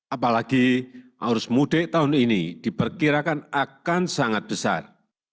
apalagi arus mudik tahun ini diperkirakan akan sangat besar